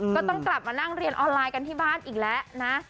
ก็ต้องกลับมานั่งเรียนออนไลน์กันที่บ้านอีกแล้วนะ